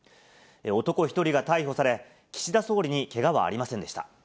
男１人が逮捕され、岸田総理にけがはありませんでした。